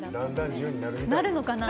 なるのかな？